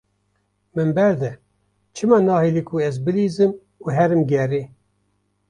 Min berde, çima nahîlî ku ez bileyzim û herim gerê?